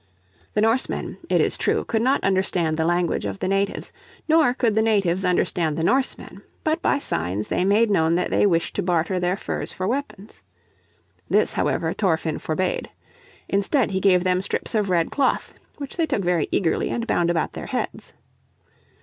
The Norsemen, it is true, could not understand the language of the natives, nor could the natives understand the Norsemen; but by signs they made known that they wished to barter their furs for weapons. This, however, Thorfinn forbade. Instead he gave them strips of red cloth which they took very eagerly and bound about their heads.